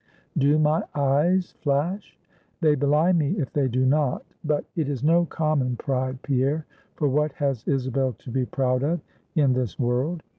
Do my eyes flash? They belie me, if they do not. But it is no common pride, Pierre; for what has Isabel to be proud of in this world?